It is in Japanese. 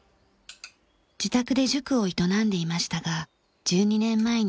自宅で塾を営んでいましたが１２年前に廃業。